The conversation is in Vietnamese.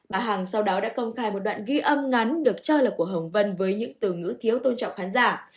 bà hằng sau đó đã công khai một đoạn ghi âm ngắn được cho là của hồng vân với những từ ngữ thiếu tôn trọng khán giả